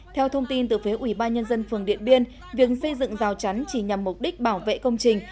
theo thông tin từ phế ủy ban nhân dân phường điện biên việc xây dựng rào chắn chỉ nhằm mục đích bảo vệ công trình